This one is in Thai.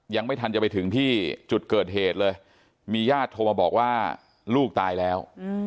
ยังไม่ทันจะไปถึงที่จุดเกิดเหตุเลยมีญาติโทรมาบอกว่าลูกตายแล้ว